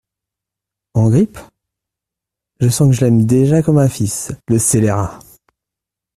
En grippe ? je sens que je l’aime déjà comme un fils !… le scélérat !…